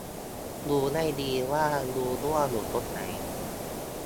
ดูให้ดีว่ารูรั่วอยู่ตรงไหน